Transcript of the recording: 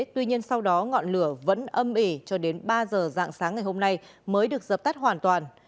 tuy nhiên sau đó ngọn lửa vẫn âm ỉ cho đến ba giờ dạng sáng ngày hôm nay mới được dập tắt hoàn toàn